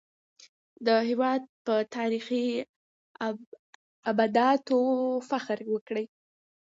د هېواد په تاريخي ابداتو فخر وکړئ.